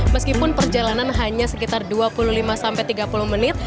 meskipun perjalanan hanya sekitar dua puluh lima sampai tiga puluh menit